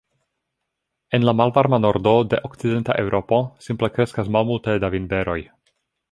En la malvarma nordo de okcidenta Eŭropo simple kreskas malmulte da vinberoj.